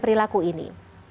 perubahan perilaku ini